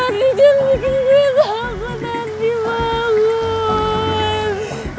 ardi jangan bikin gue takut ardi bangun